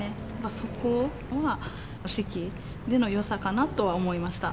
そこは式でのよさかなとは思いました。